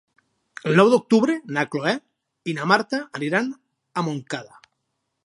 El nou d'octubre na Cloè i na Marta aniran a Montcada.